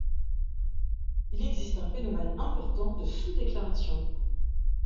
Il existe un phénomène important de sous-déclaration.